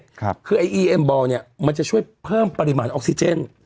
คือไอ้อีเอ็มบอลเนี้ยมันจะช่วยเพิ่มปริมาณออกซิเจน